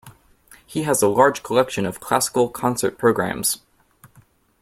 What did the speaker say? He has a large collection of classical concert programmes